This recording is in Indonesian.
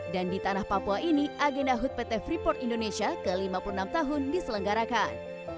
dan di tanah papua ini agenda hut pt freeport indonesia ke lima puluh enam tahun diselenggarakan